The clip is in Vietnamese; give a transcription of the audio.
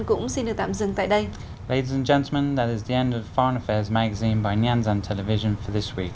cũng xin được tạm dừng tại đây